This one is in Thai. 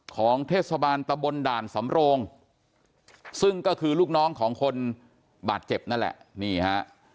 ของเทศบาลตะบนด่านสำโรงซึ่งก็คือลูกน้องของคนบาดเจ็บนั่นแหละนี่ฮะ